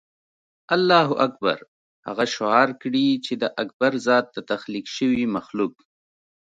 الله اکبر هغه شعار کړي چې د اکبر ذات د تخلیق شوي مخلوق.